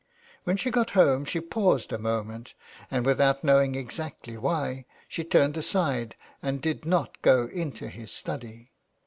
When she got home she paused a moment, and, with out knowing exactly why, she turned aside and did not go into his study.